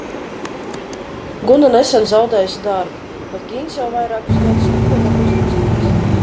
Guna nesen zaudējusi darbu, bet Gints jau vairākus gadus neko nav uzrakstījis.